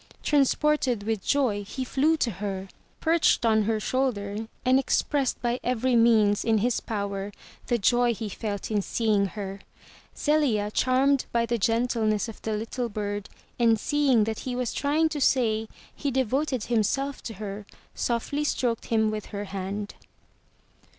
Transported with joy, he flew to her, perched on 335 MY BOOK HOUSE her shoulder, and expressed by every means in his power the joy he felt in seeing her. Zelia, charmed by the gentleness of the little bird, and seeing that he was trying to say he devoted himself to her, softly stroked him with her hand.